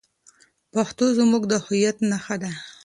پښتو زموږ د هویت نښه ده.